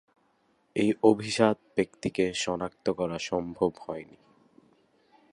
এই অভিজাত ব্যক্তিকে শনাক্ত করা সম্ভব হয়নি।